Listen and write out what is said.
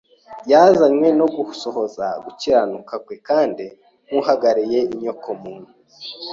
Yazanywe no gusohoza gukiranuka kwe, kandi nk’uhagarariye inyoko muntu